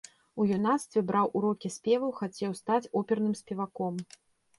У юнацтве браў урокі спеваў, хацеў стаць оперным спеваком.